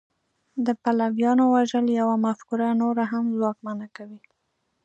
د پلویانو وژل یوه مفکوره نوره هم ځواکمنه کوي